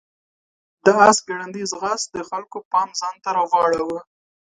د آس ګړندی ځغاست د خلکو پام ځان ته راواړاوه.